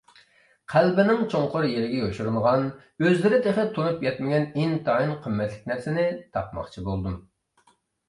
قەلبىنىڭ چوڭقۇر يېرىگە يوشۇرۇنغان، ئۆزلىرى تېخى تونۇپ يەتمىگەن ئىنتايىن قىممەتلىك نەرسىنى تاپماقچى بولدۇم.